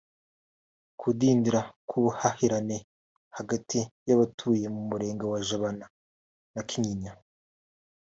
Kudindira k’ubuhahirane hagati y’abatuye mu Murenge wa Jabana na Kinyinya